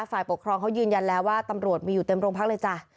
ฝ่ายปกครองเขายืนยันแล้วว่าตำรวจมีอยู่เต็มโรงพักเลยจ้ะ